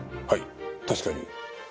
はい確かに。